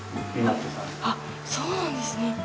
あそうなんですね。